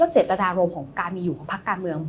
เจตนารมณ์ของการมีอยู่ของพักการเมือง